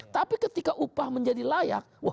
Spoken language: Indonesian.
tapi ketika upah menjadi layak